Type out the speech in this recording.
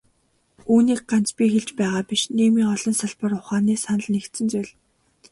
Үүнийг ганц би хэлж байгаа биш, нийгмийн олон салбар ухааны санал нэгдсэн зүйл.